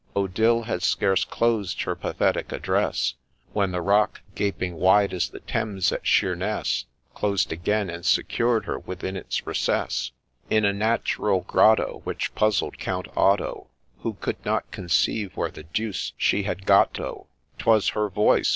Odille had scarce closed her pathetic address When the rock, gaping wide as the Thames at Sheerness Closed again, and secured her within its recess. In a natural grotto, Which puzzled Count Otto, Who could not conceive where the deuce she had got to. 'Twas her voice